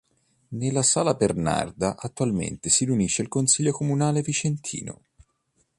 Nella Sala Bernarda attualmente si riunisce il consiglio comunale vicentino.